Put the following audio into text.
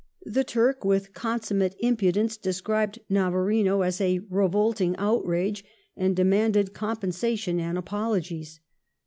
The Turk with consum mate impudence described Navarino as a " revolting outrage," and demanded compensation and apologies.